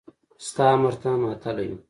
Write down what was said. ستا امر ته ماتله يو.